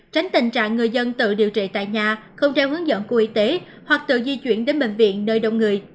tránh tình trạng người dân tự điều trị tại nhà không theo hướng dẫn của y tế hoặc tự di chuyển đến bệnh viện nơi đông người